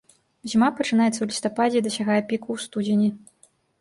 Зіма пачынаецца ў лістападзе і дасягае піку ў студзені.